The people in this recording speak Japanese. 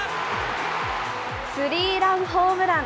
スリーランホームラン。